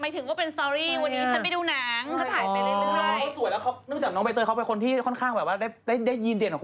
เตยน้องเค้าก็อย่างนั้นถ่ายตลอดเวลา